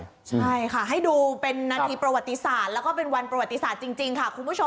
ใช่ค่ะให้ดูเป็นนาทีประวัติศาสตร์แล้วก็เป็นวันประวัติศาสตร์จริงค่ะคุณผู้ชม